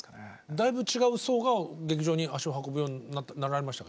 だいぶ違う層が劇場に足を運ぶようになられましたか？